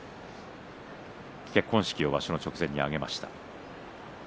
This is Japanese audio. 結婚式を場所の直前に挙げました。